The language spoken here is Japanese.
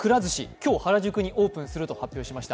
今日、原宿にオープンすると発表しました。